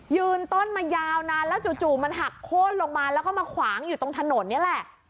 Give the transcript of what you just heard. ยืนต้นมายาวนานแล้วจู่มันหักโค้นลงมาแล้วก็มาขวางอยู่ตรงถนนนี่แหละ